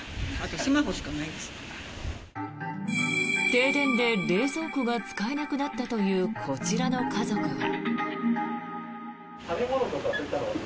停電で冷蔵庫が使えなくなったというこちらの家族は。